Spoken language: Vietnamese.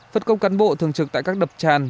phật công cán bộ thường trực tại các đập tràn